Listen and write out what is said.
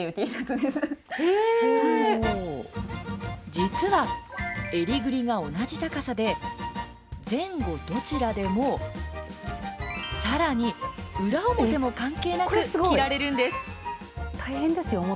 実は襟ぐりが同じ高さで前後どちらでもさらに裏表も関係なく着られるんです。